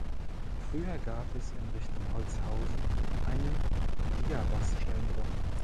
Früher gab es in Richtung Holzhausen einen Diabas-Steinbruch.